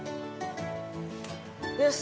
よし！